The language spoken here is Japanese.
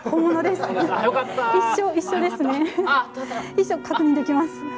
一緒確認できます。